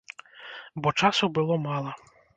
Бо часу было мала.